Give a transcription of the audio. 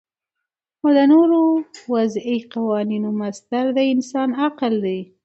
او د نورو وضعی قوانینو مصدر د انسان عقل دی